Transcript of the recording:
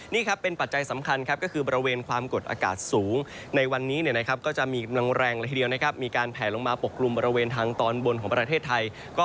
นี่ครับเป็นปัจจัยสำคัญครับก็คือบริเวณความกดอากาศสูงในวันนี้ก็จะมีกำลังแรงเลยทีเดียวนะครับมีการแผลลงมาปกกลุ่มบริเวณทางตอนบนของประเทศไทย